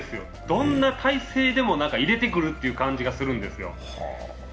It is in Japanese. どんな体勢でも入れてくるって感じがするんですよ。